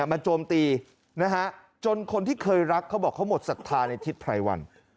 โจมตีจนคนที่เคยรักเขาบอกเขาหมดศรัทธาในทิศไพรวัน